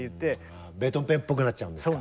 ベートーベンっぽくなっちゃうんですか。